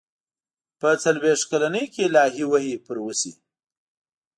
په څلوېښت کلنۍ کې الهي وحي پرې وشي.